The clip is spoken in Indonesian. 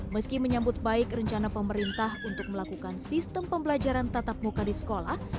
meski menyambut baik rencana pemerintah untuk melakukan sistem pembelajaran tatap muka di sekolah